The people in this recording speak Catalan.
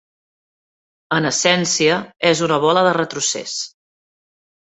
En essència, és una bola de retrocés.